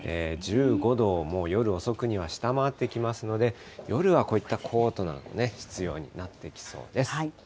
１５度をもう夜遅くには下回ってきますので、夜はこういったコートなど必要になってきそうです。